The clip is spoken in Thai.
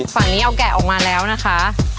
ฝั่งนี้เอาแกะออกมาแล้วนะคะ